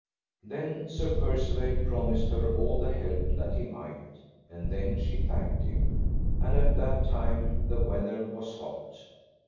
Then Sir Percivale promised her all the help that he might; and then she thanked him. And at that time the weather was hot.